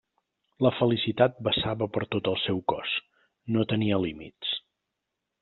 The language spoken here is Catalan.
La felicitat vessava per tot el seu cos, no tenia límits.